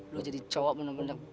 lu jadi cowok bener bener